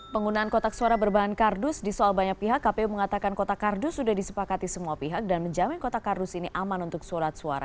penggunaan kotak suara berbahan kardus di soal banyak pihak kpu mengatakan kotak kardus sudah disepakati semua pihak dan menjamin kota kardus ini aman untuk surat suara